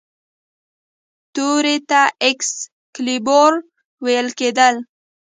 تورې ته ایکس کالیبور ویل کیدل.